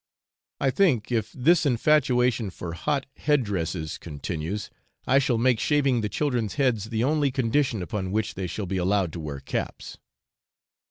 I think if this infatuation for hot head dresses continues, I shall make shaving the children's heads the only condition upon which they shall be allowed to wear caps.